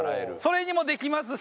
それにもできますし。